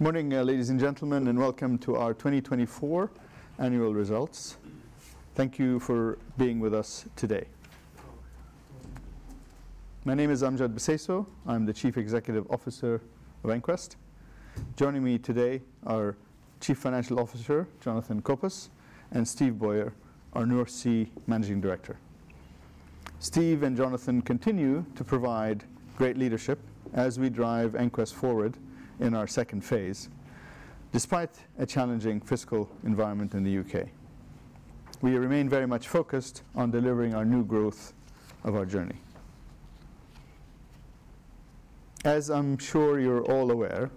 Good morning, ladies and gentlemen, and welcome to our 2024 annual results. Thank you for being with us today. My name is Amjad Bseisu. I'm the Chief Executive Officer of EnQuest. Joining me today are Chief Financial Officer Jonathan Copus and Steve Bowyer, our North Sea Managing Director. Steve and Jonathan continue to provide great leadership as we drive EnQuest forward in our second phase, despite a challenging fiscal environment in the U.K. We remain very much focused on delivering our new growth of our journey. As I'm sure you're all aware,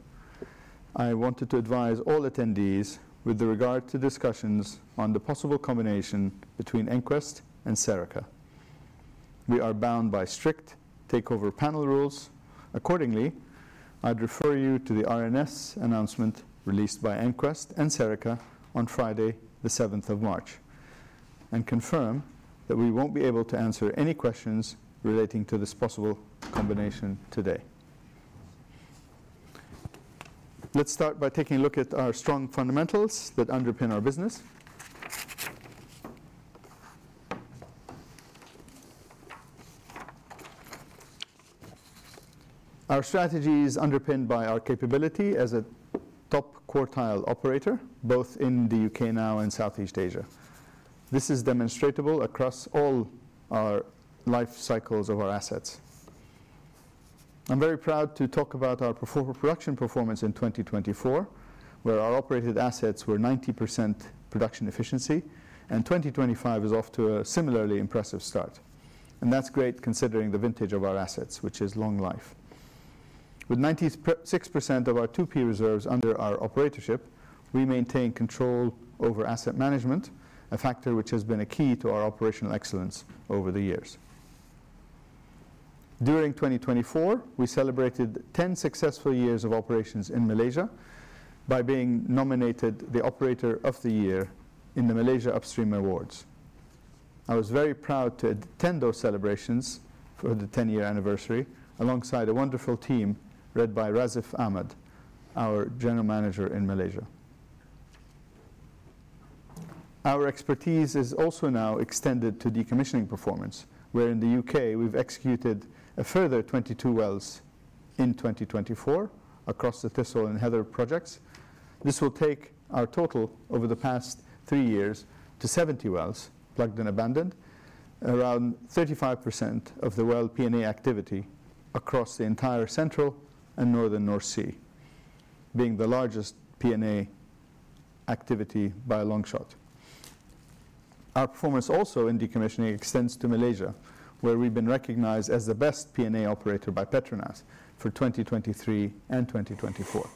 I wanted to advise all attendees with regard to discussions on the possible combination between EnQuest and Serica. We are bound by strict Takeover Panel rules. Accordingly, I'd refer you to the RNS announcement released by EnQuest and Serica on Friday, the 7th of March, and confirm that we won't be able to answer any questions relating to this possible combination today. Let's start by taking a look at our strong fundamentals that underpin our business. Our strategy is underpinned by our capability as a top quartile operator, both in the U.K. now and Southeast Asia. This is demonstrable across all our life cycles of our assets. I'm very proud to talk about our production performance in 2024, where our operated assets were 90% production efficiency, and 2025 is off to a similarly impressive start. That's great considering the vintage of our assets, which is long life. With 96% of our 2P reserves under our operatorship, we maintain control over asset management, a factor which has been a key to our operational excellence over the years. During 2024, we celebrated 10 successful years of operations in Malaysia by being nominated the Operator of the Year in the Malaysia Upstream Awards. I was very proud to attend those celebrations for the 10-year anniversary alongside a wonderful team led by Radzif Ahmed, our General Manager in Malaysia. Our expertise is also now extended to decommissioning performance, where in the U.K., we've executed a further 22 wells in 2024 across the Thistle and Heather projects. This will take our total over the past three years to 70 wells plugged and abandoned, around 35% of the well P&A activity across the entire central and northern North Sea, being the largest P&A activity by a long shot. Our performance also in decommissioning extends to Malaysia, where we've been recognized as the best P&A operator by Petronas for 2023 and 2024.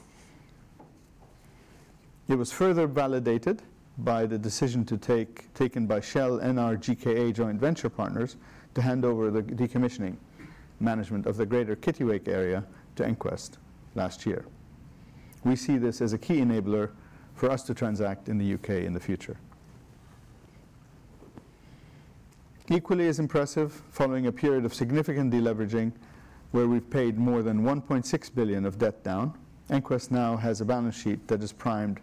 It was further validated by the decision taken by Shell and our GKA joint venture partners to hand over the decommissioning management of the Greater Kittiwake Area to EnQuest last year. We see this as a key enabler for us to transact in the U.K. in the future. Equally as impressive, following a period of significant deleveraging where we've paid more than $1.6 billion of debt down, EnQuest now has a balance sheet that is primed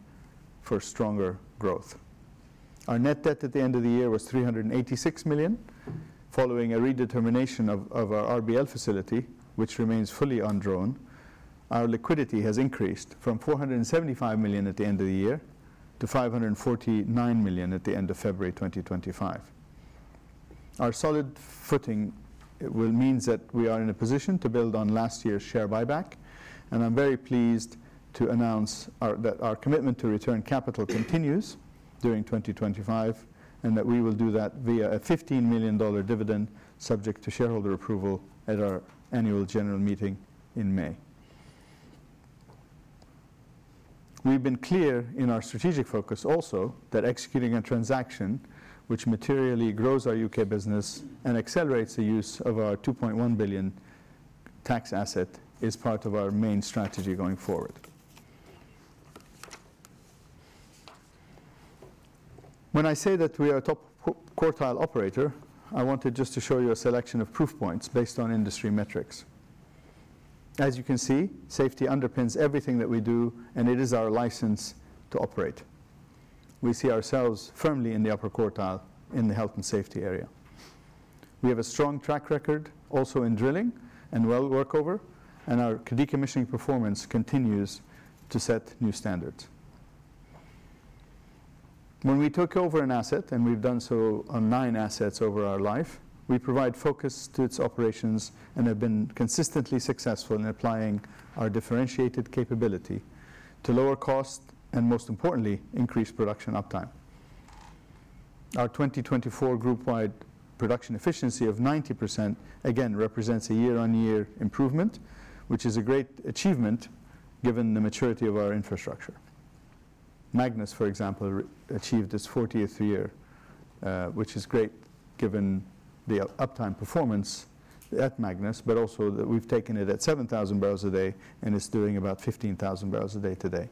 for stronger growth. Our net debt at the end of the year was $386 million. Following a redetermination of our RBL facility, which remains fully undrawn, our liquidity has increased from $475 million at the end of the year to $549 million at the end of February 2025. Our solid footing means that we are in a position to build on last year's share buyback, and I'm very pleased to announce that our commitment to return capital continues during 2025 and that we will do that via a $15 million dividend subject to shareholder approval at our annual general meeting in May. We've been clear in our strategic focus also that executing a transaction which materially grows our U.K. business and accelerates the use of our 2.1 billion tax asset is part of our main strategy going forward. When I say that we are a top quartile operator, I wanted just to show you a selection of proof points based on industry metrics. As you can see, safety underpins everything that we do, and it is our license to operate. We see ourselves firmly in the upper quartile in the health and safety area. We have a strong track record also in drilling and well workover, and our decommissioning performance continues to set new standards. When we took over an asset, and we've done so on nine assets over our life, we provide focus to its operations and have been consistently successful in applying our differentiated capability to lower cost and, most importantly, increase production uptime. Our 2024 group-wide production efficiency of 90% again represents a year-on-year improvement, which is a great achievement given the maturity of our infrastructure. Magnus, for example, achieved its 40th year, which is great given the uptime performance at Magnus, but also that we've taken it at 7,000 barrels a day and it's doing about 15,000 barrels a day today.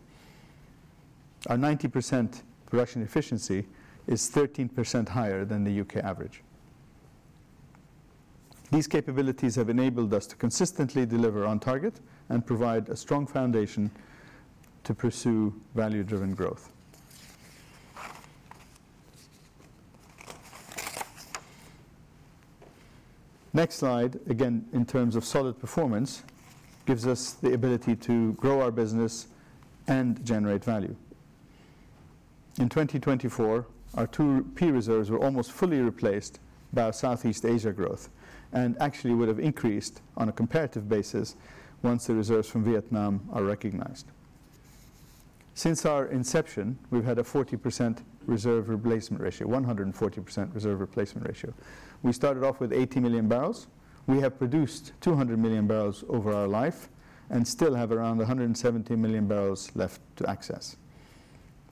Our 90% production efficiency is 13% higher than the U.K. average. These capabilities have enabled us to consistently deliver on target and provide a strong foundation to pursue value-driven growth. Next slide, again, in terms of solid performance, gives us the ability to grow our business and generate value. In 2024, our 2P reserves were almost fully replaced by our Southeast Asia growth and actually would have increased on a comparative basis once the reserves from Vietnam are recognized. Since our inception, we've had a 40% reserve replacement ratio, 140% reserve replacement ratio. We started off with 80 million barrels. We have produced 200 million barrels over our life and still have around 170 million barrels left to access.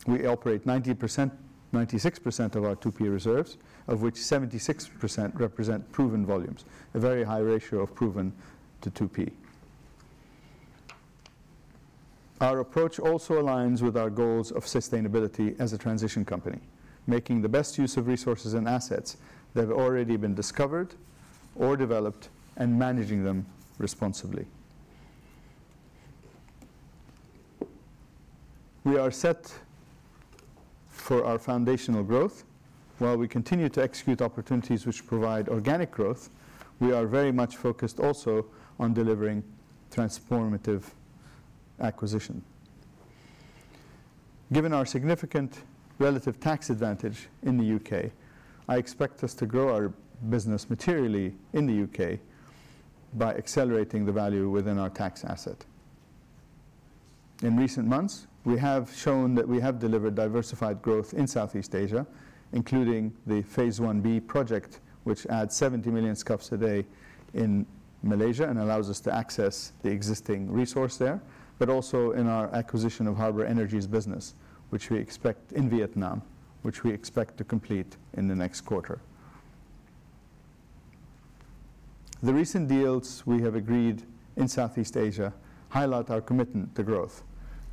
We operate 90%, 96% of our 2P reserves, of which 76% represent proven volumes, a very high ratio of proven to 2P. Our approach also aligns with our goals of sustainability as a transition company, making the best use of resources and assets that have already been discovered or developed and managing them responsibly. We are set for our foundational growth. While we continue to execute opportunities which provide organic growth, we are very much focused also on delivering transformative acquisition. Given our significant relative tax advantage in the U.K., I expect us to grow our business materially in the U.K. by accelerating the value within our tax asset. In recent months, we have shown that we have delivered diversified growth in Southeast Asia, including the phase 1b project, which adds 70 million SCFs a day in Malaysia and allows us to access the existing resource there, but also in our acquisition of Harbour Energy's business, which we expect in Vietnam, which we expect to complete in the next quarter. The recent deals we have agreed in Southeast Asia highlight our commitment to growth,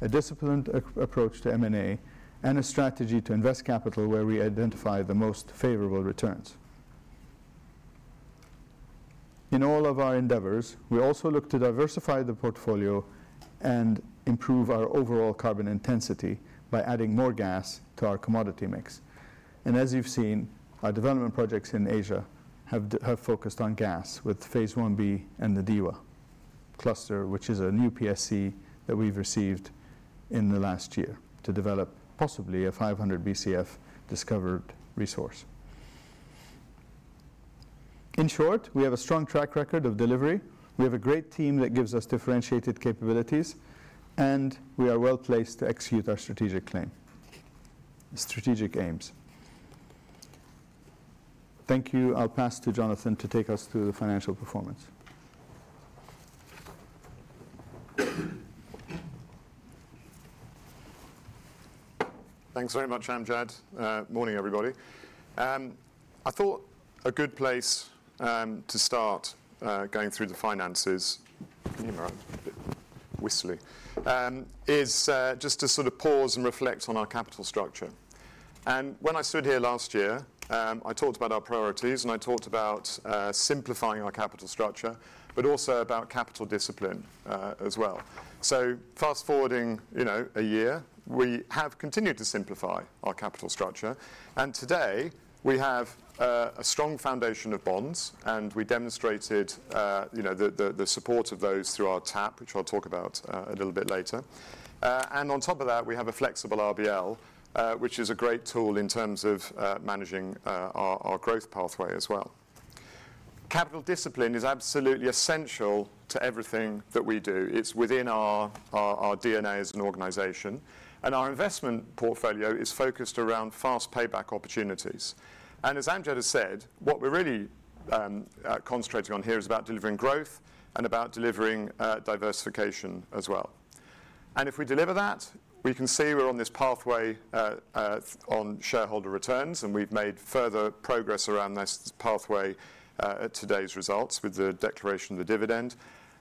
a disciplined approach to M&A, and a strategy to invest capital where we identify the most favorable returns. In all of our endeavors, we also look to diversify the portfolio and improve our overall carbon intensity by adding more gas to our commodity mix. As you have seen, our development projects in Asia have focused on gas with phase 1b and the DEWA Cluster, which is a new PSC that we have received in the last year to develop possibly a 500 BCF discovered resource. In short, we have a strong track record of delivery. We have a great team that gives us differentiated capabilities, and we are well placed to execute our strategic aims. Thank you. I will pass to Jonathan to take us through the financial performance. Thanks very much, Amjad. Morning, everybody. I thought a good place to start going through the finances, firstly, is just to sort of pause and reflect on our capital structure. When I stood here last year, I talked about our priorities, and I talked about simplifying our capital structure, but also about capital discipline as well. Fast forwarding a year, we have continued to simplify our capital structure. Today, we have a strong foundation of bonds, and we demonstrated the support of those through our tap, which I'll talk about a little bit later. On top of that, we have a flexible RBL, which is a great tool in terms of managing our growth pathway as well. Capital discipline is absolutely essential to everything that we do. It's within our DNA as an organization. Our investment portfolio is focused around fast payback opportunities. As Amjad has said, what we're really concentrating on here is about delivering growth and about delivering diversification as well. If we deliver that, we can see we're on this pathway on shareholder returns, and we've made further progress around this pathway at today's results with the declaration of the dividend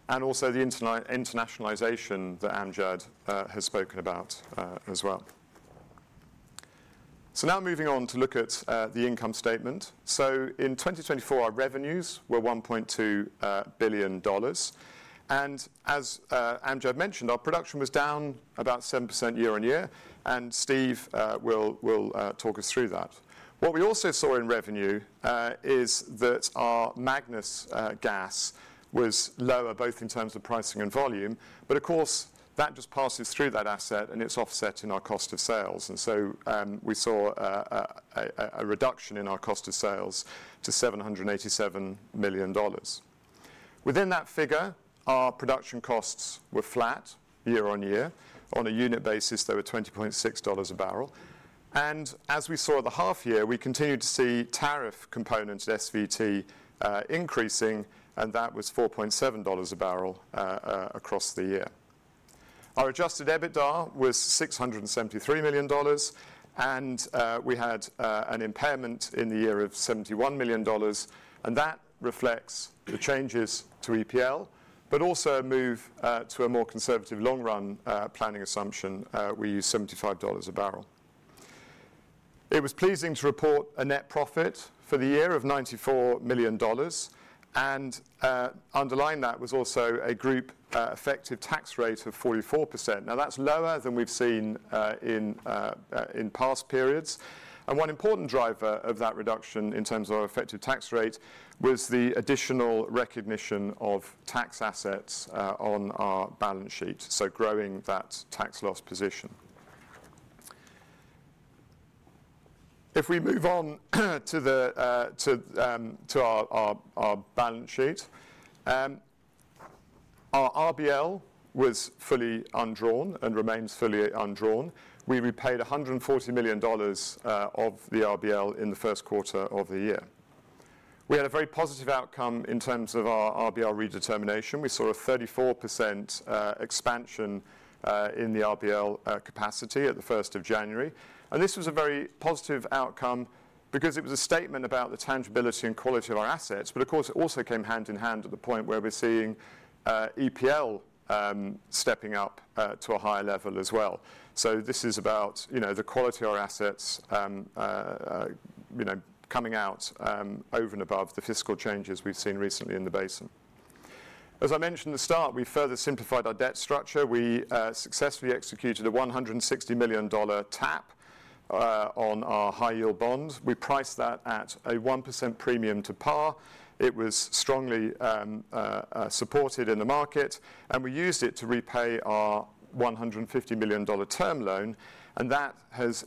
and also the internationalization that Amjad has spoken about as well. Now moving on to look at the income statement. In 2024, our revenues were $1.2 billion. As Amjad mentioned, our production was down about 7% year on year, and Steve will talk us through that. What we also saw in revenue is that our Magnus gas was lower both in terms of pricing and volume, but of course, that just passes through that asset and it's offset in our cost of sales. We saw a reduction in our cost of sales to $787 million. Within that figure, our production costs were flat year on year. On a unit basis, they were $20.6 a barrel. As we saw the half year, we continued to see tariff components at SVT increasing, and that was $4.7 a barrel across the year. Our adjusted EBITDA was $673 million, and we had an impairment in the year of $71 million, and that reflects the changes to EPL, but also a move to a more conservative long-run planning assumption. We use $75 a barrel. It was pleasing to report a net profit for the year of $94 million, and underlying that was also a group effective tax rate of 44%. Now, that's lower than we've seen in past periods. One important driver of that reduction in terms of our effective tax rate was the additional recognition of tax assets on our balance sheet, so growing that tax loss position. If we move on to our balance sheet, our RBL was fully undrawn and remains fully undrawn. We repaid $140 million of the RBL in the first quarter of the year. We had a very positive outcome in terms of our RBL redetermination. We saw a 34% expansion in the RBL capacity at the 1st of January. This was a very positive outcome because it was a statement about the tangibility and quality of our assets. Of course, it also came hand in hand at the point where we're seeing EPL stepping up to a higher level as well. This is about the quality of our assets coming out over and above the fiscal changes we have seen recently in the basin. As I mentioned at the start, we further simplified our debt structure. We successfully executed a $160 million tap on our high-yield bonds. We priced that at a 1% premium to par. It was strongly supported in the market, and we used it to repay our $150 million term loan, and that has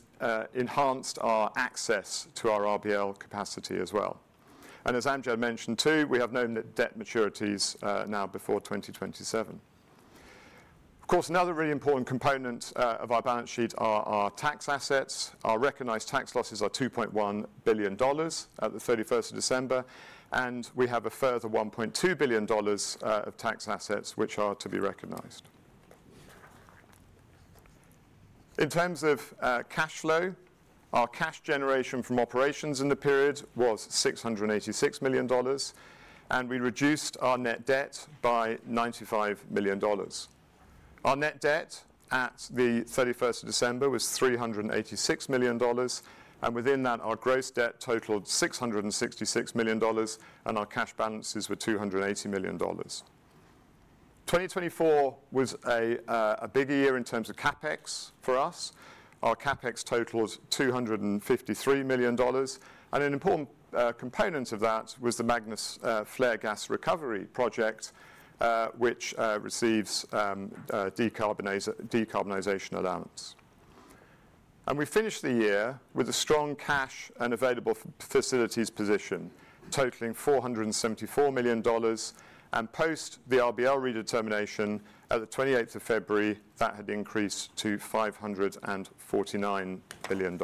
enhanced our access to our RBL capacity as well. As Amjad mentioned too, we have known that debt maturities now before 2027. Of course, another really important component of our balance sheet are our tax assets. Our recognized tax losses are $2.1 billion at the 31st of December, and we have a further $1.2 billion of tax assets which are to be recognized. In terms of cash flow, our cash generation from operations in the period was $686 million, and we reduced our net debt by $95 million. Our net debt at the 31st of December was $386 million, and within that, our gross debt totaled $666 million, and our cash balances were $280 million. 2024 was a big year in terms of CapEx for us. Our CapEx totaled $253 million, and an important component of that was the Magnus Flare Gas Recovery project, which receives decarbonization allowance. We finished the year with a strong cash and available facilities position totaling $474 million, and post the RBL redetermination at the 28th of February, that had increased to $549 million.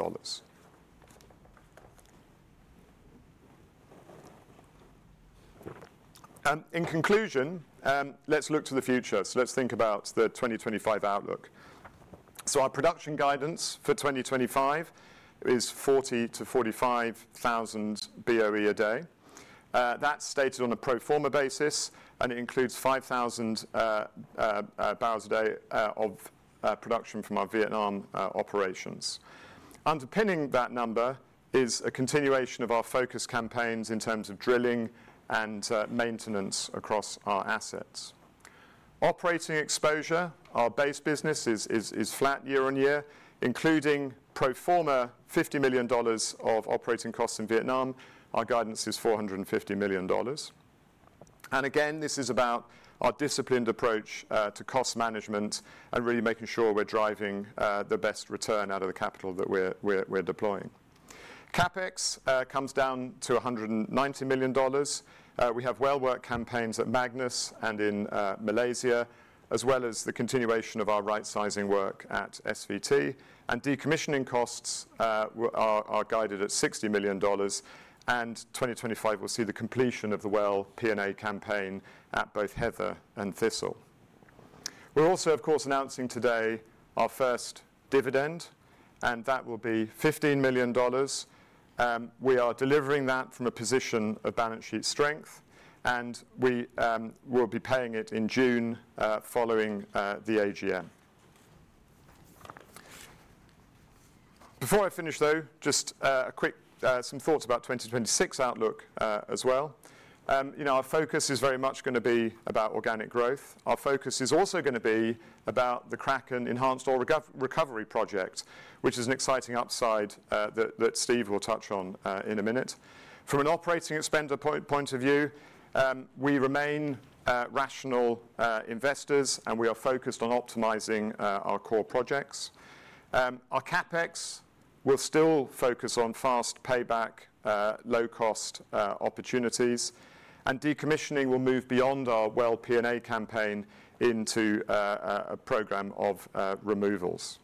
In conclusion, let's look to the future. Let's think about the 2025 outlook. Our production guidance for 2025 is 40,000-45,000 BOE a day. That's stated on a pro forma basis, and it includes 5,000 barrels a day of production from our Vietnam operations. Underpinning that number is a continuation of our focus campaigns in terms of drilling and maintenance across our assets. Operating exposure, our base business is flat year on year, including pro forma $50 million of operating costs in Vietnam. Our guidance is $450 million. This is about our disciplined approach to cost management and really making sure we're driving the best return out of the capital that we're deploying. CapEx comes down to $190 million. We have well work campaigns at Magnus and in Malaysia, as well as the continuation of our right-sizing work at SVT. Decommissioning costs are guided at $60 million, and 2025 will see the completion of the well P&A campaign at both Heather and Thistle. We're also, of course, announcing today our first dividend, and that will be $15 million. We are delivering that from a position of balance sheet strength, and we will be paying it in June following the AGM. Before I finish, though, just some thoughts about 2026 outlook as well. Our focus is very much going to be about organic growth. Our focus is also going to be about the Kraken Enhanced Oil Recovery project, which is an exciting upside that Steve will touch on in a minute. From an operating expander point of view, we remain rational investors, and we are focused on optimizing our core projects. Our CapEx will still focus on fast payback, low-cost opportunities, and decommissioning will move beyond our well P&A campaign into a program of removals.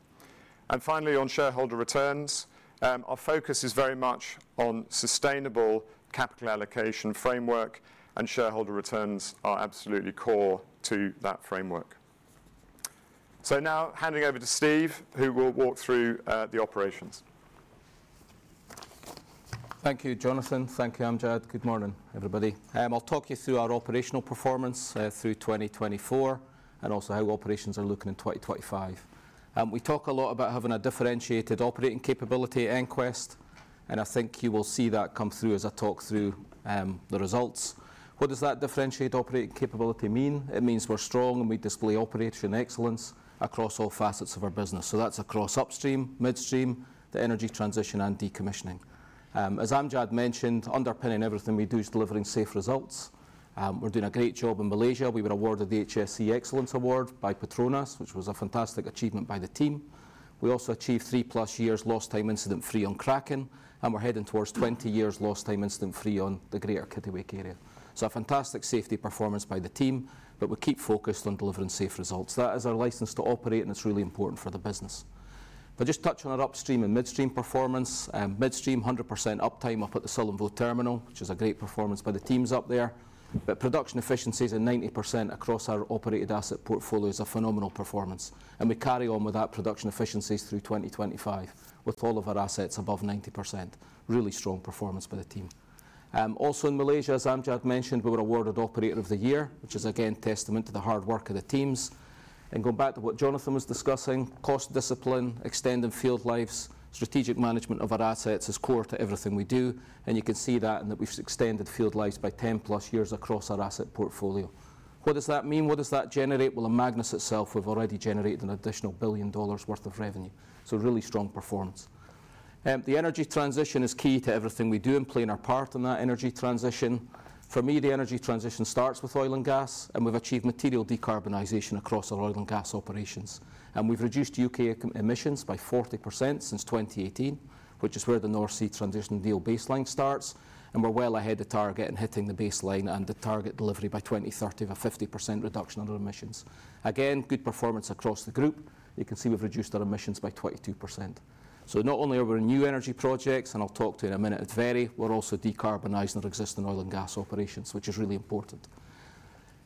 Finally, on shareholder returns, our focus is very much on sustainable capital allocation framework, and shareholder returns are absolutely core to that framework. Now handing over to Steve, who will walk through the operations. Thank you, Jonathan. Thank you, Amjad. Good morning, everybody. I'll talk you through our operational performance through 2024 and also how operations are looking in 2025. We talk a lot about having a differentiated operating capability at EnQuest, and I think you will see that come through as I talk through the results. What does that differentiated operating capability mean? It means we're strong and we display operational excellence across all facets of our business. That is across upstream, midstream, the energy transition, and decommissioning. As Amjad mentioned, underpinning everything we do is delivering safe results. We're doing a great job in Malaysia. We were awarded the HSE Excellence Award by Petronas, which was a fantastic achievement by the team. We also achieved three-plus years lost time incident-free on Kraken, and we're heading towards 20 years lost time incident-free on the Greater Kittiwake Area. A fantastic safety performance by the team, but we keep focused on delivering safe results. That is our license to operate, and it's really important for the business. If I just touch on our upstream and midstream performance, midstream, 100% uptime up at the Sullom Voe Terminal, which is a great performance by the teams up there. Production efficiencies are 90% across our operated asset portfolio, which is a phenomenal performance. We carry on with that production efficiencies through 2025 with all of our assets above 90%. Really strong performance by the team. Also in Malaysia, as Amjad mentioned, we were awarded Operator of the Year, which is again testament to the hard work of the teams. Going back to what Jonathan was discussing, cost discipline, extending field lives, strategic management of our assets is core to everything we do. You can see that in that we have extended field lives by 10+ years across our asset portfolio. What does that mean? What does that generate? In Magnus itself, we have already generated an additional $1 billion worth of revenue. Really strong performance. The energy transition is key to everything we do and playing our part in that energy transition. For me, the energy transition starts with oil and gas, and we have achieved material decarbonization across our oil and gas operations. We have reduced U.K. emissions by 40% since 2018, which is where the North Sea Transition Deal baseline starts. We are well ahead of target and hitting the baseline and the target delivery by 2030 of a 50% reduction in our emissions. Again, good performance across the group. You can see we have reduced our emissions by 22%. Not only are we new energy projects, and I'll talk to you in a minute, it's very, we're also decarbonizing our existing oil and gas operations, which is really important.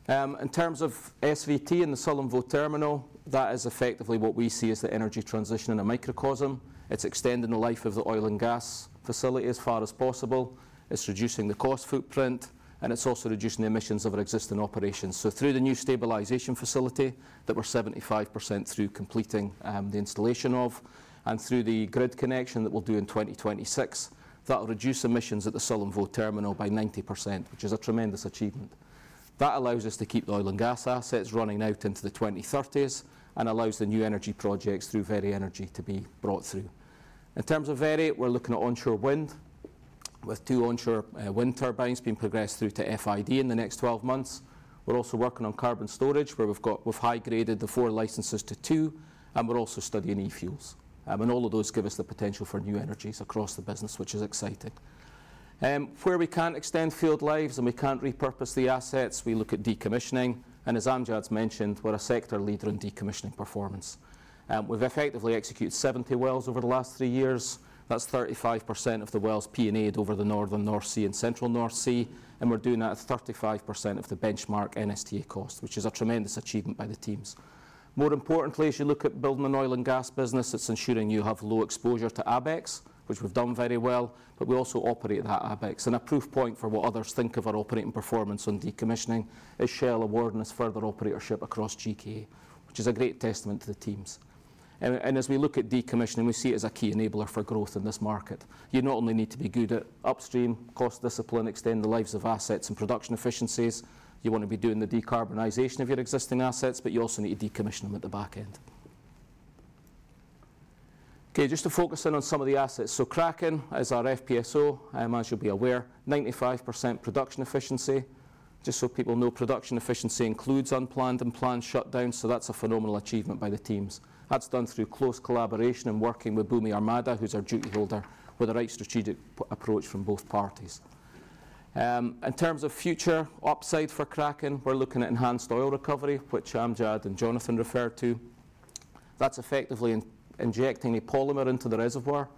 In terms of SVT in the Sullom Voe Terminal, that is effectively what we see as the energy transition in a microcosm. It's extending the life of the oil and gas facility as far as possible. It's reducing the cost footprint, and it's also reducing the emissions of our existing operations. Through the new stabilization facility that we're 75% through completing the installation of, and through the grid connection that we'll do in 2026, that'll reduce emissions at the Sullom Voe Terminal by 90%, which is a tremendous achievement. That allows us to keep the oil and gas assets running out into the 2030s and allows the new energy projects through Veri Energy to be brought through. In terms of Veri, we're looking at onshore wind with two onshore wind turbines being progressed through to FID in the next 12 months. We're also working on carbon storage where we've high-graded the four licenses to two, and we're also studying e-fuels. All of those give us the potential for new energies across the business, which is exciting. Where we can't extend field lives and we can't repurpose the assets, we look at Decommissioning. As Amjad's mentioned, we're a sector leader in Decommissioning performance. We've effectively executed 70 wells over the last three years. That's 35% of the wells P&A over the Northern North Sea and Central North Sea, and we're doing that at 35% of the benchmark NSTA cost, which is a tremendous achievement by the teams. More importantly, as you look at building an oil and gas business, it's ensuring you have low exposure to AbEx, which we've done very well, but we also operate that AbEx. A proof point for what others think of our operating performance on decommissioning is Shell awarding us further operatorship across GKA, which is a great testament to the teams. As we look at decommissioning, we see it as a key enabler for growth in this market. You not only need to be good at upstream, cost discipline, extend the lives of assets and production efficiencies. You want to be doing the decarbonization of your existing assets, but you also need to decommission them at the back end. Okay, just to focus in on some of the assets. Kraken is our FPSO, as you'll be aware, 95% production efficiency. Just so people know, production efficiency includes unplanned and planned shutdowns, so that's a phenomenal achievement by the teams. That's done through close collaboration and working with Bumi Armada, who's our duty holder, with the right strategic approach from both parties. In terms of future upside for Kraken, we're looking at enhanced oil recovery, which Amjad and Jonathan referred to. That's effectively injecting a polymer into the reservoir.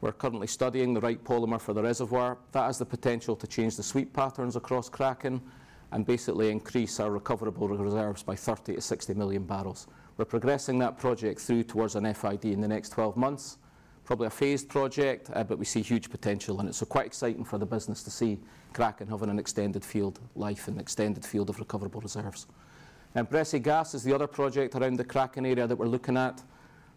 We're currently studying the right polymer for the reservoir. That has the potential to change the sweep patterns across Kraken and basically increase our recoverable reserves by 30-60 million barrels. We're progressing that project through towards an FID in the next 12 months, probably a phased project, but we see huge potential in it. Quite exciting for the business to see Kraken having an extended field life and extended field of recoverable reserves. Bressay gas is the other project around the Kraken area that we're looking at.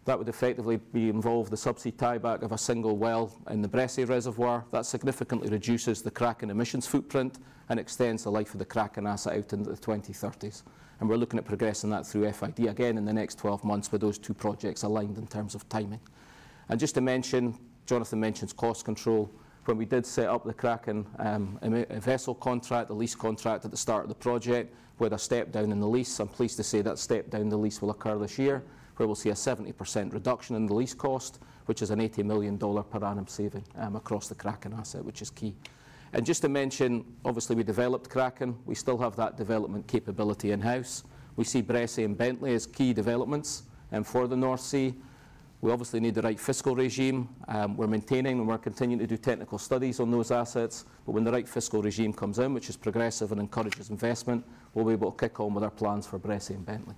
That would effectively involve the subsea tieback of a single well in the Bressay reservoir. That significantly reduces the Kraken emissions footprint and extends the life of the Kraken asset out into the 2030s. We're looking at progressing that through FID again in the next 12 months with those two projects aligned in terms of timing. Just to mention, Jonathan mentions cost control. When we did set up the Kraken vessel contract, the lease contract at the start of the project with a step down in the lease, I'm pleased to say that step down in the lease will occur this year, where we'll see a 70% reduction in the lease cost, which is an $80 million per annum saving across the Kraken asset, which is key. Just to mention, obviously we developed Kraken. We still have that development capability in-house. We see Bressay and Bentley as key developments for the North Sea. We obviously need the right fiscal regime. We're maintaining and we're continuing to do technical studies on those assets. When the right fiscal regime comes in, which is progressive and encourages investment, we'll be able to kick on with our plans for Bressay and Bentley.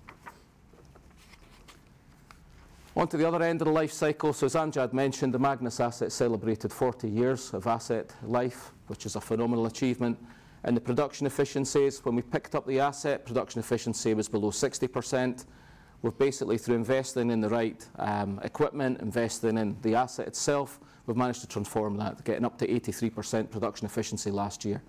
Onto the other end of the life cycle. As Amjad mentioned, the Magnus asset celebrated 40 years of asset life, which is a phenomenal achievement. The production efficiencies, when we picked up the asset, production efficiency was below 60%. We've basically, through investing in the right equipment, investing in the asset itself, managed to transform that to getting up to 83% production efficiency last year.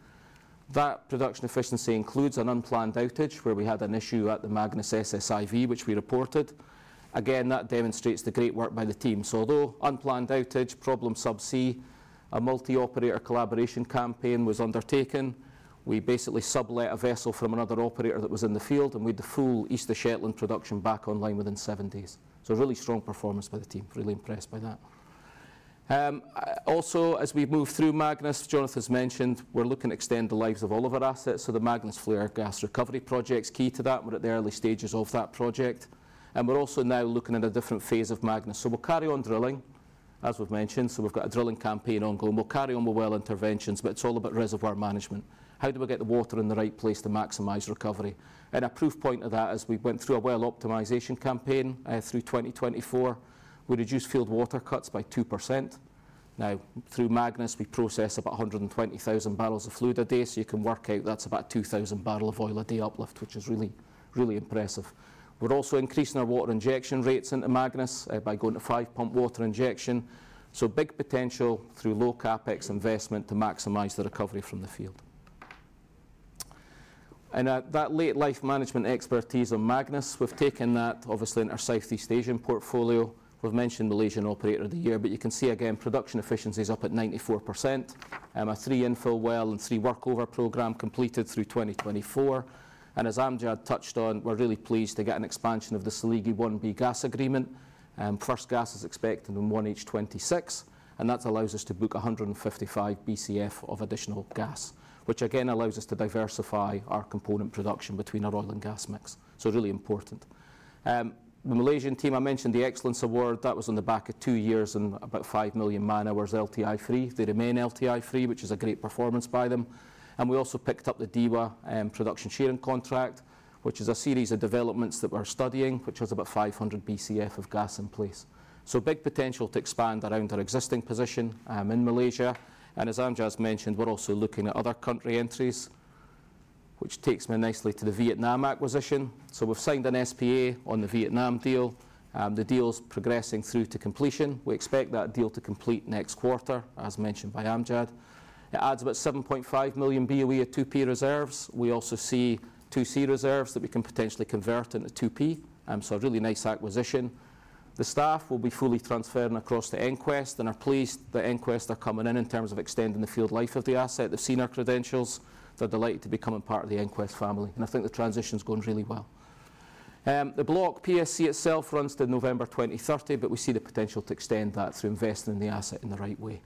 That production efficiency includes an unplanned outage where we had an issue at the Magnus SSIV, which we reported. Again, that demonstrates the great work by the teams. Although unplanned outage, problem subsea, a multi-operator collaboration campaign was undertaken. We basically sublet a vessel from another operator that was in the field, and we had the full East of Shetland production back online within seven days. Really strong performance by the team. Really impressed by that. Also, as we move through Magnus, Jonathan's mentioned, we're looking to extend the lives of all of our assets. The Magnus Flare Gas Recovery project's key to that. We're at the early stages of that project. We're also now looking at a different phase of Magnus. We'll carry on drilling, as we've mentioned. We've got a drilling campaign ongoing. We'll carry on with well interventions, but it's all about reservoir management. How do we get the water in the right place to maximize recovery? A proof point of that is we went through a well optimization campaign through 2024. We reduced field water cuts by 2%. Now, through Magnus, we process about 120,000 barrels of fluid a day. You can work out that's about 2,000 barrels of oil a day uplift, which is really, really impressive. We're also increasing our water injection rates into Magnus by going to five pump water injection. Big potential through low CapEx investment to maximize the recovery from the field. That late life management expertise on Magnus, we've taken that obviously in our Southeast Asian portfolio. We've mentioned Malaysian Operator of the Year, but you can see again, production efficiencies up at 94%. A three infill well and three workover program completed through 2024. As Amjad touched on, we're really pleased to get an expansion of the Seligi 1b gas agreement. First gas is expected on 1H 2026, and that allows us to book 155 BCF of additional gas, which again allows us to diversify our component production between our oil and gas mix. Really important. The Malaysian team, I mentioned the Excellence Award. That was on the back of two years and about 5 million man-hours LTI free. They remain LTI free, which is a great performance by them. We also picked up the DEWA Production Sharing Contract, which is a series of developments that we're studying, which has about 500 BCF of gas in place. Big potential to expand around our existing position in Malaysia. As Amjad's mentioned, we're also looking at other country entries, which takes me nicely to the Vietnam acquisition. We've signed an SPA on the Vietnam deal. The deal's progressing through to completion. We expect that deal to complete next quarter, as mentioned by Amjad. It adds about 7.5 million BOE at 2P reserves. We also see 2C reserves that we can potentially convert into 2P. A really nice acquisition. The staff will be fully transferring across to EnQuest and are pleased that EnQuest are coming in in terms of extending the field life of the asset. They've seen our credentials. They're delighted to be coming part of the EnQuest family. I think the transition's gone really well. The block PSC itself runs to November 2030, but we see the potential to extend that through investing in the asset in the right way.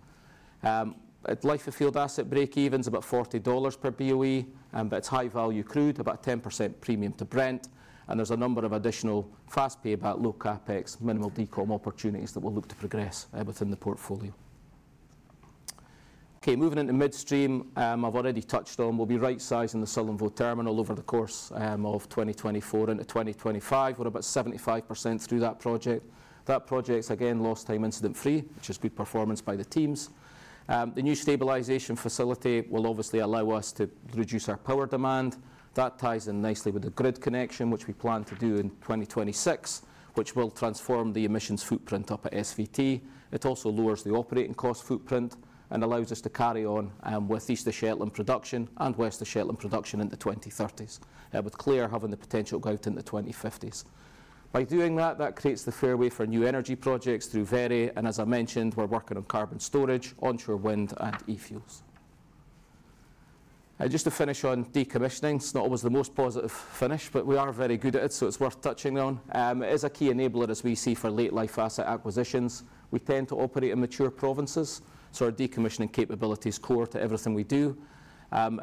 Life of field asset break-evens about $40 per BOE, but it's high value crude, about 10% premium to Brent. There's a number of additional fast payback, low CapEx, minimal decom opportunities that we'll look to progress within the portfolio. Okay, moving into midstream, I've already touched on, we'll be right-sizing the Sullom Voe Terminal over the course of 2024 into 2025. We're about 75% through that project. That project's again lost time incident-free, which is good performance by the teams. The new stabilization facility will obviously allow us to reduce our power demand. That ties in nicely with the grid connection, which we plan to do in 2026, which will transform the emissions footprint up at SVT. It also lowers the operating cost footprint and allows us to carry on with East of Shetland production and West of Shetland production in the 2030s, with Clair having the potential to go out in the 2050s. By doing that, that creates the fairway for new energy projects through Veri. As I mentioned, we're working on carbon storage, onshore wind, and e-fuels. Just to finish on decommissioning, it's not always the most positive finish, but we are very good at it, so it's worth touching on. It is a key enabler as we see for late life asset acquisitions. We tend to operate in mature provinces, so our decommissioning capability is core to everything we do.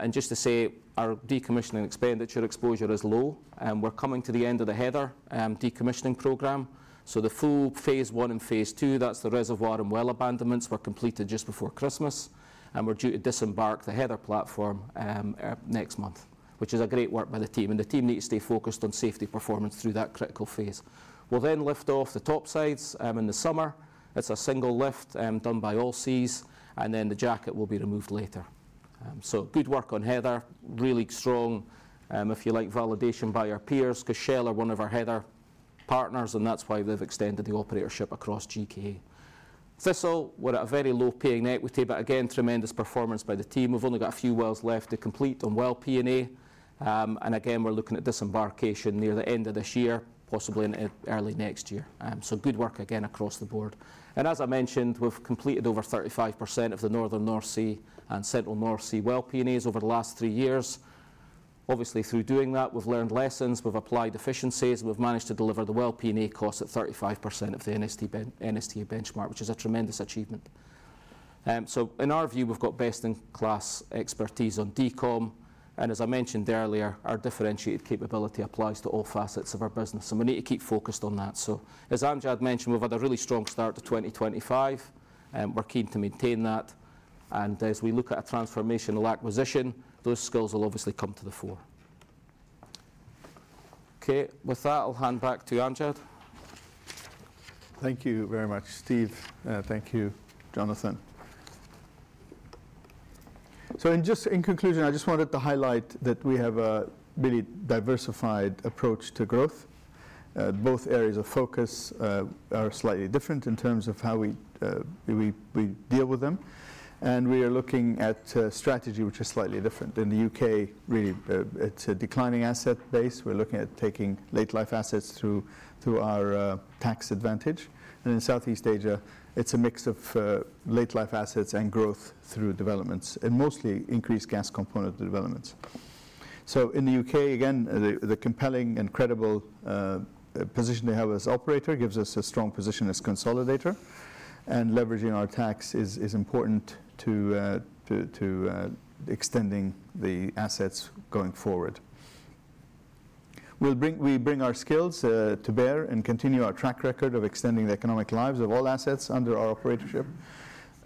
Just to say, our decommissioning expenditure exposure is low. We're coming to the end of the Heather decommissioning program. The full phase one and phase two, that's the reservoir and well abandonments, were completed just before Christmas. We're due to disembark the Heather platform next month, which is a great work by the team. The team needs to stay focused on safety performance through that critical phase. We'll then lift off the top sides in the summer. It's a single lift done by Allseas, and then the jacket will be removed later. Good work on Heather, really strong. If you like validation by our peers, Shell are one of our Heather partners, and that's why they've extended the operatorship across GKA. Thistle, we're at a very low paying equity, but again, tremendous performance by the team. We've only got a few wells left to complete on well P&A. We are looking at disembarkation near the end of this year, possibly in early next year. Good work again across the board. As I mentioned, we have completed over 35% of the Northern North Sea and Central North Sea well P&As over the last three years. Through doing that, we have learned lessons, applied efficiencies, and managed to deliver the well P&A cost at 35% of the NSTA benchmark, which is a tremendous achievement. In our view, we have best in class expertise on decom. As I mentioned earlier, our differentiated capability applies to all facets of our business. We need to keep focused on that. As Amjad mentioned, we have had a really strong start to 2025. We are keen to maintain that. As we look at a transformational acquisition, those skills will obviously come to the fore. Okay, with that, I'll hand back to Amjad. Thank you very much, Steve. Thank you, Jonathan. Just in conclusion, I just wanted to highlight that we have a really diversified approach to growth. Both areas of focus are slightly different in terms of how we deal with them. We are looking at a strategy which is slightly different. In the U.K., really, it's a declining asset base. We're looking at taking late life assets through our tax advantage. In Southeast Asia, it's a mix of late life assets and growth through developments and mostly increased gas component developments. In the U.K., again, the compelling and credible position they have as operator gives us a strong position as consolidator. Leveraging our tax is important to extending the assets going forward. We bring our skills to bear and continue our track record of extending the economic lives of all assets under our operatorship.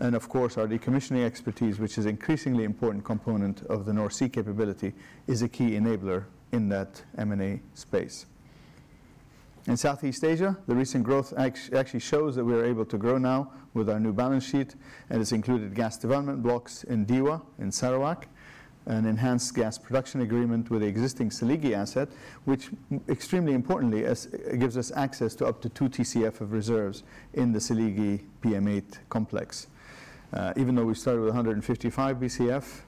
Our decommissioning expertise, which is an increasingly important component of the North Sea capability, is a key enabler in that M&A space. In Southeast Asia, the recent growth actually shows that we are able to grow now with our new balance sheet. It has included gas development blocks in DEWA in Sarawak, an enhanced gas production agreement with the existing Seligi asset, which extremely importantly gives us access to up to 2 TCF of reserves in the Seligi PM8 complex. Even though we started with 155 BCF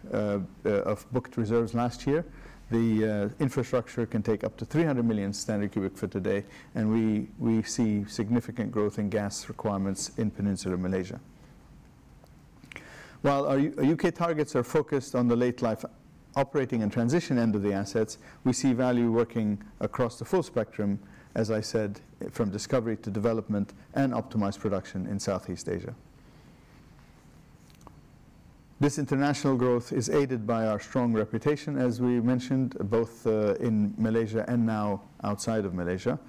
of booked reserves last year, the infrastructure can take up to 300 million standard cubic foot a day. We see significant growth in gas requirements in Peninsular Malaysia. While our U.K. targets are focused on the late life operating and transition end of the assets, we see value working across the full spectrum, as I said, from discovery to development and optimized production in Southeast Asia. This international growth is aided by our strong reputation, as we mentioned, both in Malaysia and now outside of Malaysia.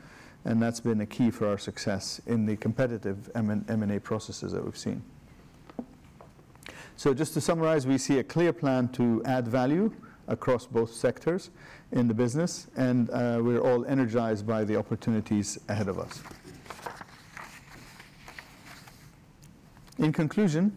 That has been a key for our success in the competitive M&A processes that we've seen. Just to summarize, we see a clear plan to add value across both sectors in the business, and we're all energized by the opportunities ahead of us. In conclusion,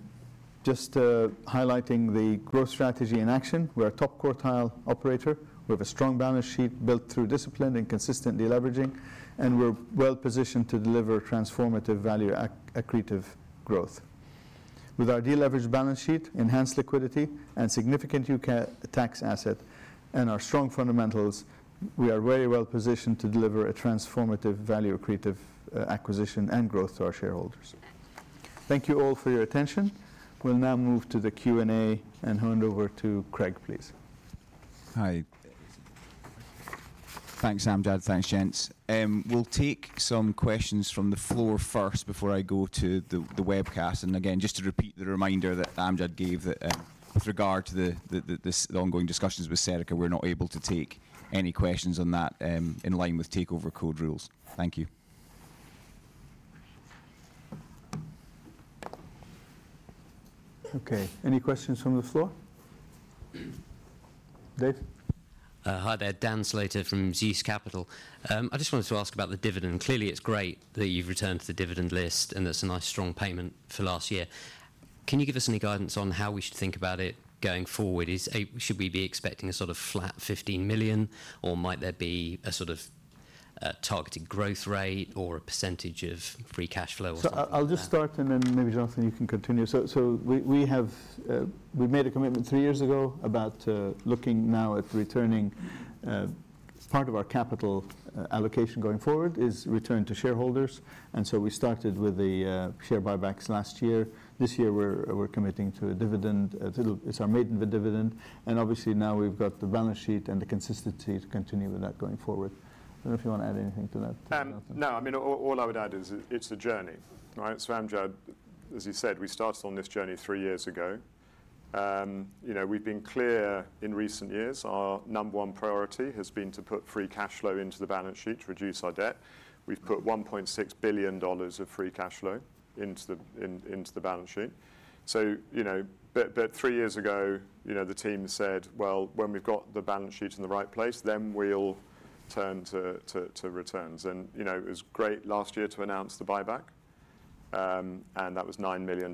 just highlighting the growth strategy in action, we're a top quartile operator. We have a strong balance sheet built through discipline and consistent deleveraging, and we're well positioned to deliver transformative value-accretive growth. With our deleveraged balance sheet, enhanced liquidity, and significant U.K. tax asset, and our strong fundamentals, we are very well positioned to deliver a transformative value-accretive acquisition and growth to our shareholders. Thank you all for your attention. We'll now move to the Q&A and hand over to Craig, please. Hi. Thanks, Amjad. Thanks, gents. We'll take some questions from the floor first before I go to the webcast. Just to repeat the reminder that Amjad gave that with regard to the ongoing discussions with Serica, we're not able to take any questions on that in line with Takeover Code rules. Thank you. Okay, any questions from the floor? Dave? Hi there, Dan Slater from Zeus Capital. I just wanted to ask about the dividend. Clearly, it's great that you've returned to the dividend list, and that's a nice strong payment for last year. Can you give us any guidance on how we should think about it going forward? Should we be expecting a sort of flat $15 million, or might there be a sort of targeted growth rate or a percentage of free cash flow? I'll just start, and then maybe Jonathan, you can continue. We made a commitment three years ago about looking now at returning part of our capital allocation going forward is returned to shareholders. We started with the share buybacks last year. This year, we're committing to a dividend. It's our maiden dividend. Obviously, now we've got the balance sheet and the consistency to continue with that going forward. I don't know if you want to add anything to that. No, I mean, all I would add is it's a journey. Amjad, as you said, we started on this journey three years ago. We've been clear in recent years. Our number one priority has been to put free cash flow into the balance sheet to reduce our debt. We've put $1.6 billion of free cash flow into the balance sheet. Three years ago, the team said, well, when we've got the balance sheet in the right place, then we'll turn to returns. It was great last year to announce the buyback, and that was $9 million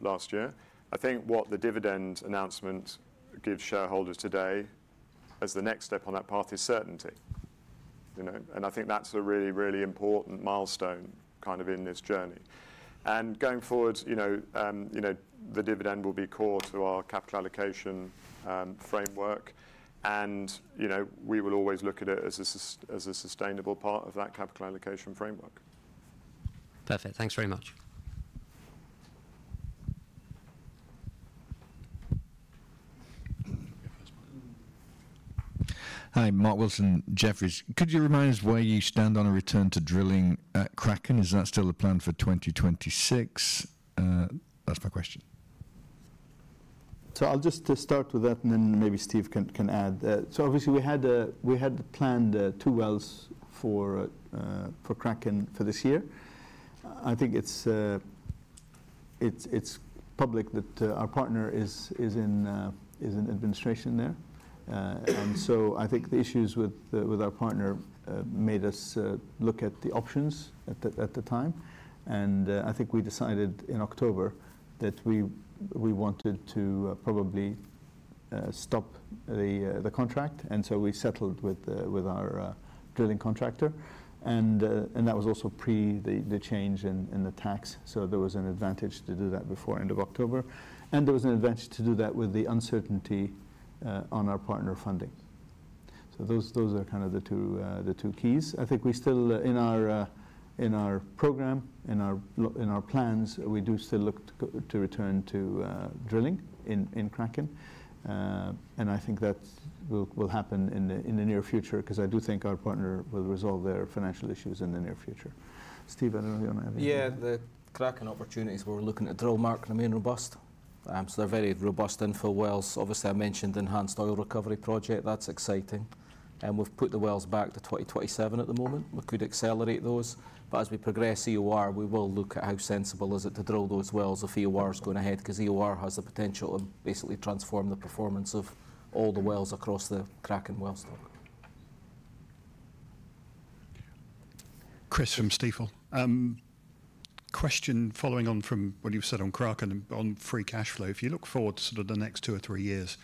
last year. I think what the dividend announcement gives shareholders today as the next step on that path is certainty. I think that's a really, really important milestone kind of in this journey. Going forward, the dividend will be core to our capital allocation framework, and we will always look at it as a sustainable part of that capital allocation framework. Perfect. Thanks very much. Hi, Mark Wilson, Jefferies. Could you remind us where you stand on a return to drilling at Kraken? Is that still the plan for 2026? That's my question. I'll just start with that, and then maybe Steve can add. Obviously, we had planned two wells for Kraken for this year. I think it's public that our partner is in administration there. I think the issues with our partner made us look at the options at the time. I think we decided in October that we wanted to probably stop the contract. We settled with our drilling contractor. That was also pre the change in the tax. There was an advantage to do that before end of October. There was an advantage to do that with the uncertainty on our partner funding. Those are kind of the two keys. I think we still, in our program, in our plans, we do still look to return to drilling in Kraken. I think that will happen in the near future because I do think our partner will resolve their financial issues in the near future. Steve, I don't know if you want to add anything. Yeah, the Kraken opportunities, we're looking at drill, Mark, remain robust. They are very robust infill wells. Obviously, I mentioned the enhanced oil recovery project. That's exciting. We've put the wells back to 2027 at the moment. We could accelerate those. As we progress EOR, we will look at how sensible it is to drill those wells if EOR is going ahead because EOR has the potential to basically transform the performance of all the wells across the Kraken well stock. Chris from Stifel. Question following on from what you've said on Kraken and on free cash flow. If you look forward to sort of the next two or three years,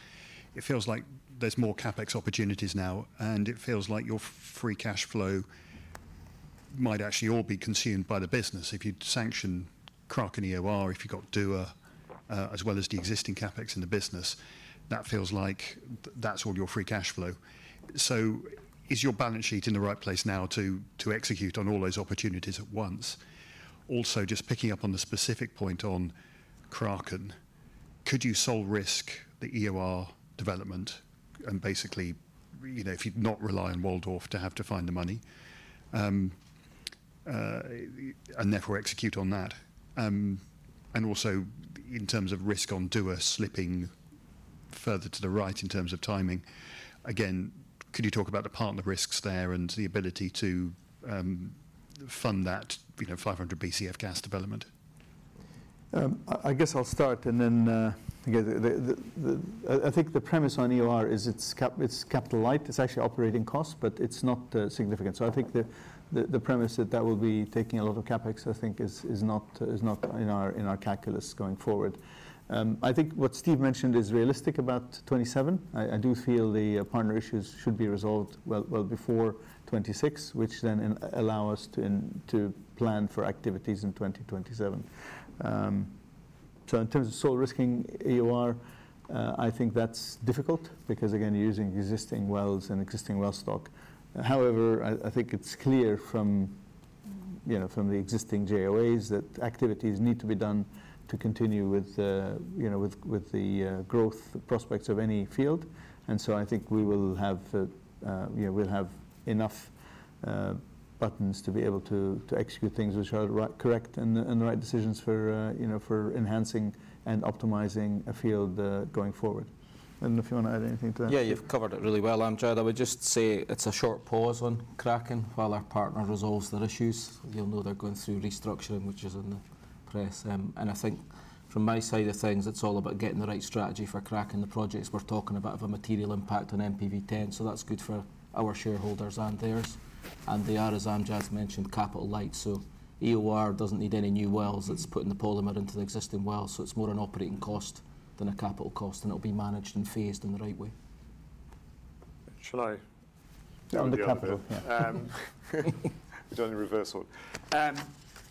it feels like there's more CapEx opportunities now, and it feels like your free cash flow might actually all be consumed by the business. If you'd sanction Kraken EOR, if you've got DEWA, as well as the existing CapEx in the business, that feels like that's all your free cash flow. Is your balance sheet in the right place now to execute on all those opportunities at once? Also, just picking up on the specific point on Kraken, could you sole risk the EOR development and basically, if you'd not rely on Waldorf to have to find the money and therefore execute on that? Also, in terms of risk on DEWA slipping further to the right in terms of timing, could you talk about the partner risks there and the ability to fund that 500 BCF gas development? I guess I'll start, and then I think the premise on EOR is it's capital light. It's actually operating cost, but it's not significant. I think the premise that that will be taking a lot of CapEx is not in our calculus going forward. I think what Steve mentioned is realistic about 2027. I do feel the partner issues should be resolved well before 2026, which then allows us to plan for activities in 2027. In terms of sole risking EOR, I think that's difficult because, again, you're using existing wells and existing well stock. However, I think it's clear from the existing JOAs that activities need to be done to continue with the growth prospects of any field. I think we will have enough buttons to be able to execute things which are correct and the right decisions for enhancing and optimizing a field going forward. I don't know if you want to add anything to that. Yeah, you've covered it really well, Amjad. I would just say it's a short pause on Kraken while our partner resolves their issues. You'll know they're going through restructuring, which is in the press. I think from my side of things, it's all about getting the right strategy for Kraken. The projects we're talking about have a material impact on NPV 10, so that's good for our shareholders and theirs. They are, as Amjad mentioned, capital light. EOR does not need any new wells. It is putting the polymer into the existing well. It is more an operating cost than a capital cost, and it will be managed and phased in the right way. Shall I? Under capital, yeah. We do not need reverse order.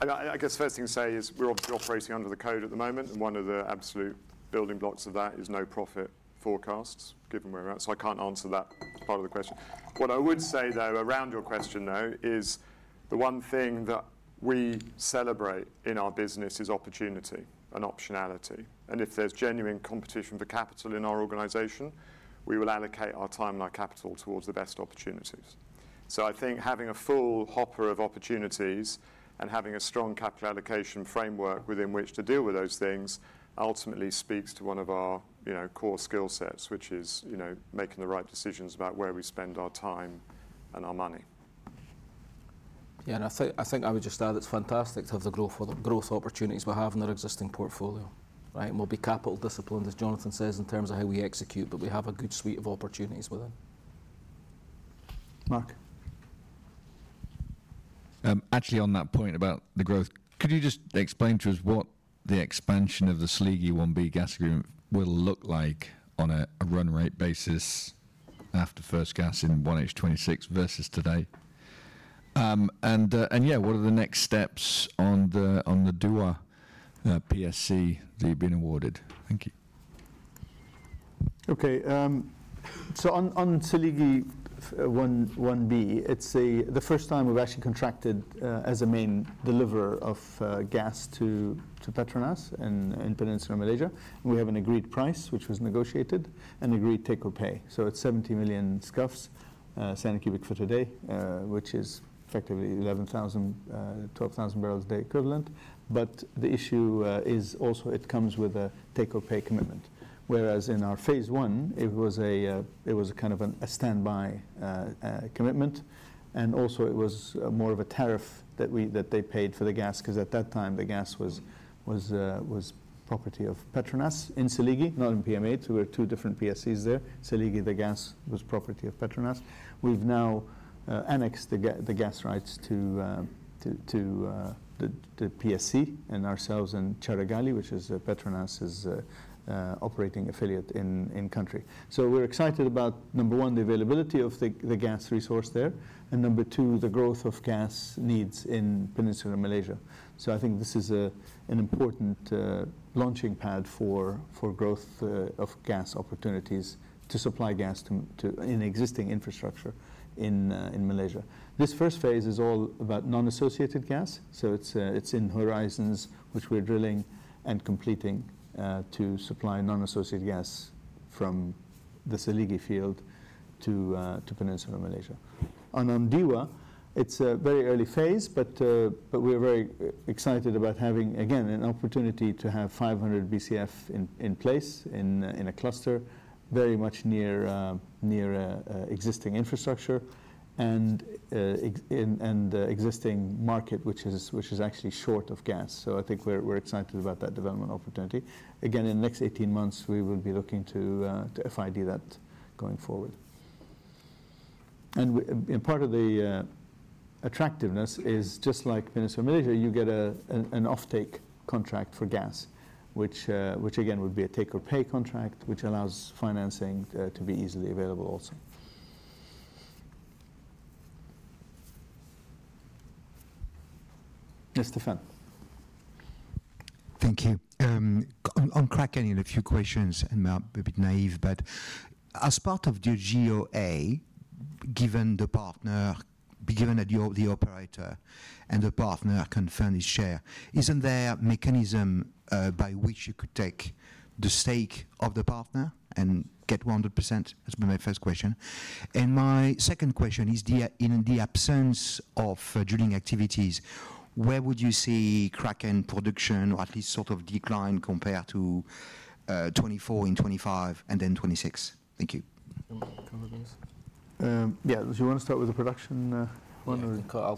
I guess the first thing to say is we are obviously operating under the code at the moment, and one of the absolute building blocks of that is no profit forecasts, given where we are at. I cannot answer that part of the question. What I would say, though, around your question, is the one thing that we celebrate in our business is opportunity and optionality. If there is genuine competition for capital in our organization, we will allocate our time and our capital towards the best opportunities. I think having a full hopper of opportunities and having a strong capital allocation framework within which to deal with those things ultimately speaks to one of our core skill sets, which is making the right decisions about where we spend our time and our money. Yeah, I think I would just add it's fantastic to have the growth opportunities we have in our existing portfolio. We'll be capital disciplined, as Jonathan says, in terms of how we execute, but we have a good suite of opportunities within. Mark. Actually, on that point about the growth, could you just explain to us what the expansion of the Seligi 1b gas agreement will look like on a run rate basis after first gas in 1H 2026 versus today? Yeah, what are the next steps on the DEWA PSC that you've been awarded? Thank you. Okay, on Seligi 1b, it's the first time we've actually contracted as a main deliverer of gas to Petronas in Peninsular Malaysia. We have an agreed price, which was negotiated, and agreed take-or-pay. It's 70 million SCFs, standard cubic feet a day, which is effectively 11,000-12,000 barrels a day equivalent. The issue is also it comes with a take-or-pay commitment, whereas in our phase one, it was a kind of standby commitment. It was more of a tariff that they paid for the gas because at that time, the gas was property of Petronas in Seligi, not in PM8. We were two different PSCs there. In Seligi, the gas was property of Petronas. We've now annexed the gas rights to the PSC and ourselves in Carigali, which is Petronas's operating affiliate in country. We're excited about, number one, the availability of the gas resource there, and number two, the growth of gas needs in Peninsular Malaysia. I think this is an important launching pad for growth of gas opportunities to supply gas in existing infrastructure in Malaysia. This first phase is all about non-associated gas. It's in horizons, which we're drilling and completing to supply non-associated gas from the Seligi field to Peninsular Malaysia. On DEWA, it's a very early phase, but we're very excited about having, again, an opportunity to have 500 BCF in place in a cluster very much near existing infrastructure and existing market, which is actually short of gas. I think we're excited about that development opportunity. Again, in the next 18 months, we will be looking to FID that going forward. Part of the attractiveness is, just like Peninsular Malaysia, you get an offtake contract for gas, which, again, would be a take-or-pay contract, which allows financing to be easily available also. Yes, Stephane. Thank you. On Kraken, a few questions, and maybe naive, but as part of the JOA, given the partner, given that the operator and the partner can fund his share, isn't there a mechanism by which you could take the stake of the partner and get 100%? That's my first question. My second question is, in the absence of drilling activities, where would you see Kraken production or at least sort of decline compared to 2024 in 2025 and then 2026? Thank you. Yeah, do you want to start with the production? I'll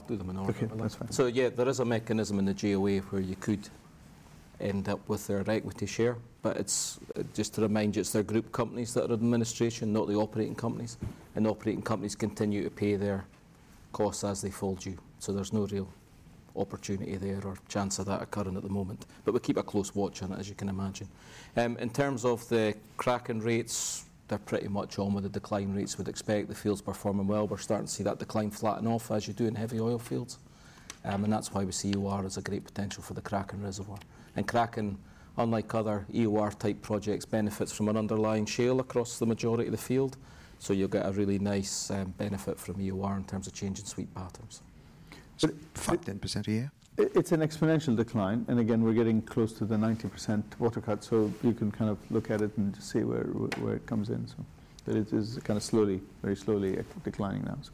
do the minor. Okay, that's fine. Yeah, there is a mechanism in the JOA where you could end up with their equity share. Just to remind you, it's their group companies that are in administration, not the operating companies. The operating companies continue to pay their costs as they fall due. There's no real opportunity there or chance of that occurring at the moment. We keep a close watch on it, as you can imagine. In terms of the Kraken rates, they're pretty much on with the decline rates we'd expect. The field's performing well. We're starting to see that decline flatten off, as you do in heavy oil fields. That's why we see EOR as a great potential for the Kraken reservoir. Kraken, unlike other EOR-type projects, benefits from an underlying shale across the majority of the field. You'll get a really nice benefit from EOR in terms of changing sweep patterns. Five, 10% a year? It's an exponential decline. Again, we're getting close to the 90% water cut. You can kind of look at it and see where it comes in. It is kind of slowly, very slowly declining now. Yeah,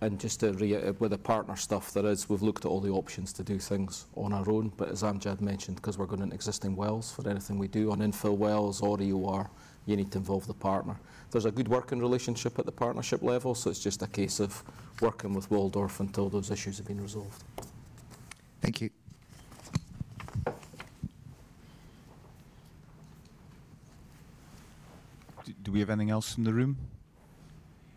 and just with the partner stuff, that is, we've looked at all the options to do things on our own. As Amjad mentioned, because we're going to existing wells for anything we do on infill wells or EOR, you need to involve the partner. There's a good working relationship at the partnership level. It's just a case of working with Waldorf until those issues have been resolved. Thank you. Do we have anything else in the room?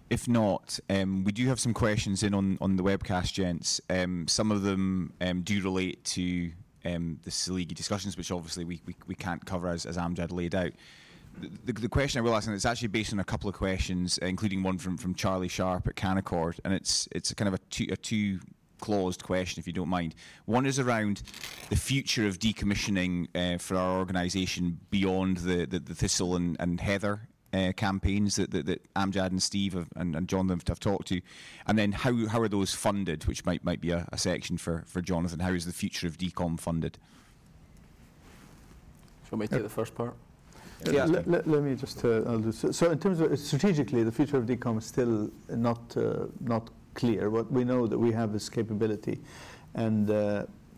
If not, we do have some questions in on the webcast, gents. Some of them do relate to the Seligi discussions, which obviously we can't cover as Amjad laid out. The question I realized is actually based on a couple of questions, including one from Charlie Sharp at Canaccord. And it's kind of a two-claused question, if you don't mind. One is around the future of decommissioning for our organization beyond the Thistle and Heather campaigns that Amjad and Steve and Jon have talked to. And then how are those funded, which might be a section for Jonathan? How is the future of decom funded? Do you want me to take the first part? Yeah, let me just do it. In terms of strategically, the future of decom is still not clear. What we know that we have is capability.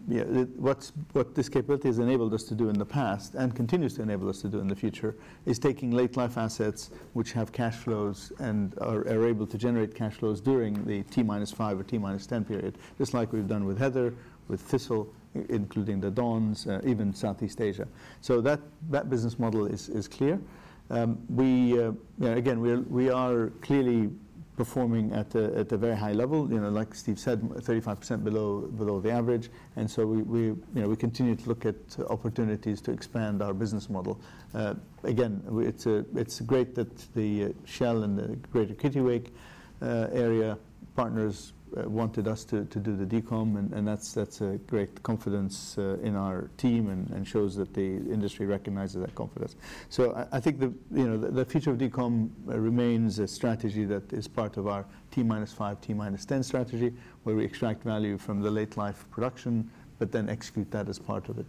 What this capability has enabled us to do in the past and continues to enable us to do in the future is taking late-life assets which have cash flows and are able to generate cash flows during the T-minus 5 or T-minus 10 period, just like we've done with Heather, with Thistle, including the Dons, even Southeast Asia. That business model is clear. Again, we are clearly performing at a very high level, like Steve said, 35% below the average. We continue to look at opportunities to expand our business model. It is great that Shell in the Greater Kittiwake Area partners wanted us to do the decommissioning. That is a great confidence in our team and shows that the industry recognizes that confidence. I think the future of decom remains a strategy that is part of our T-minus 5, T-minus 10 strategy, where we extract value from the late-life production, but then execute that as part of it.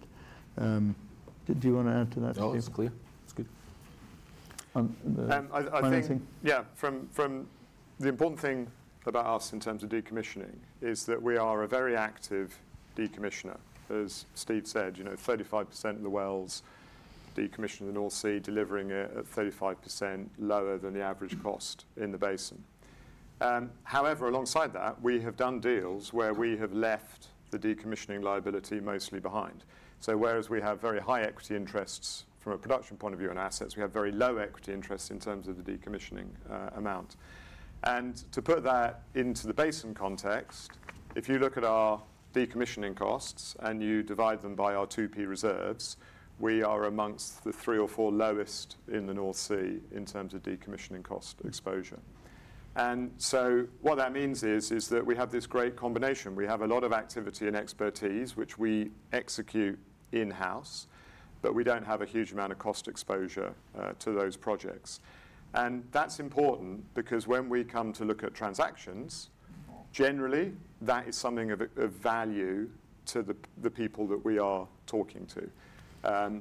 Do you want to add to that? No, it's clear. It's good. I think, yeah, the important thing about us in terms of decommissioning is that we are a very active decommissioner. As Steve said, 35% of the wells decommissioned in the North Sea, delivering at 35% lower than the average cost in the basin. However, alongside that, we have done deals where we have left the decommissioning liability mostly behind. So whereas we have very high equity interests from a production point of view on assets, we have very low equity interests in terms of the decommissioning amount. To put that into the basin context, if you look at our decommissioning costs and you divide them by our 2P reserves, we are amongst the three or four lowest in the North Sea in terms of decommissioning cost exposure. What that means is that we have this great combination. We have a lot of activity and expertise, which we execute in-house, but we do not have a huge amount of cost exposure to those projects. That is important because when we come to look at transactions, generally, that is something of value to the people that we are talking to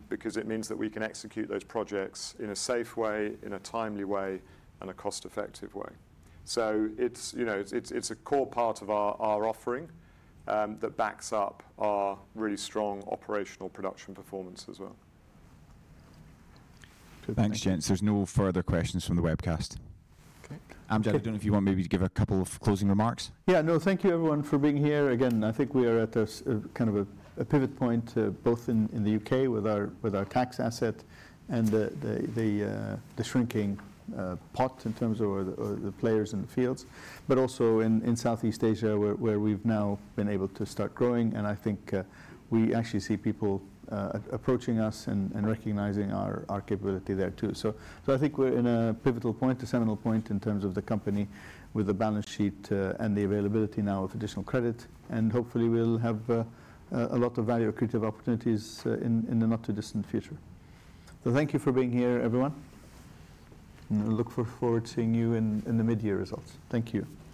because it means that we can execute those projects in a safe way, in a timely way, and a cost-effective way. It is a core part of our offering that backs up our really strong operational production performance as well. Thanks, gents. There are no further questions from the webcast. Amjad, I do not know if you want maybe to give a couple of closing remarks. Yeah, no, thank you, everyone, for being here. Again, I think we are at kind of a pivot point both in the U.K. with our tax asset and the shrinking pot in terms of the players in the fields, but also in Southeast Asia where we have now been able to start growing. I think we actually see people approaching us and recognizing our capability there too. I think we are in a pivotal point, a seminal point in terms of the company with the balance sheet and the availability now of additional credit. Hopefully, we will have a lot of value-accretive opportunities in the not-too-distant future. Thank you for being here, everyone. I look forward to seeing you in the mid-year results. Thank you.